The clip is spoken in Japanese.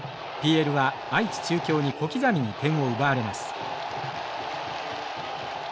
ＰＬは愛知中京に小刻みに点を奪われます。